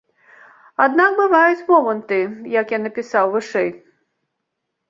Аднак бываюць моманты, як я напісаў вышэй.